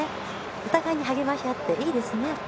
お互いに励ましあっていいですね。